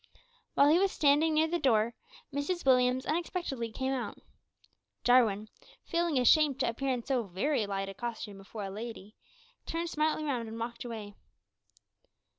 While he was standing near the door, Mrs Williams unexpectedly came out. Jarwin, feeling ashamed to appear in so very light a costume before a lady, turned smartly round and walked away.